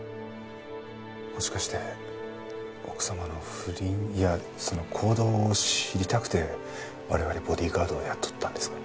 もしかして奥様の不倫いやその行動を知りたくて我々ボディーガードを雇ったんですか？